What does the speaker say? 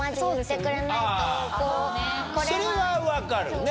それは分かるね。